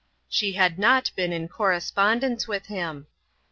She had not been in correspondence with him.